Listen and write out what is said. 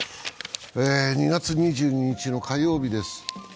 ２月２２日の火曜日です。